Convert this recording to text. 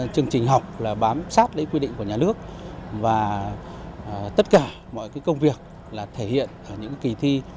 chương trình học là bám sát lấy quy định của nhà nước và tất cả mọi công việc là thể hiện ở những kỳ thi